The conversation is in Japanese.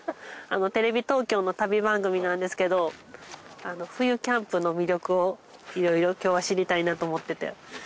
テレビ東京の旅番組なんですけど冬キャンプの魅力をいろいろ今日は知りたいなと思ってて。